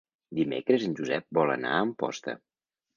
Dimecres en Josep vol anar a Amposta.